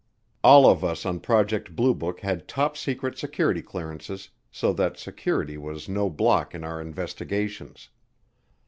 All of us on Project Blue Book had Top Secret security clearances so that security was no block in our investigations.